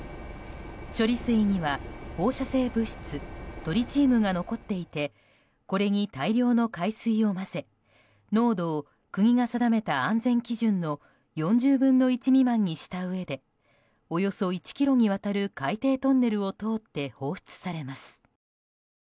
処理水には放射性物質トリチウムが残っていてこれに大量の海水を混ぜ濃度を国が定めた安全基準の４０分の１未満にしたうえでおよそ１ｋｍにわたる海底トンネルを通って放出されます。